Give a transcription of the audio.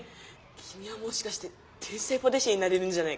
きみはもしかして天才パティシエになれるんじゃないか。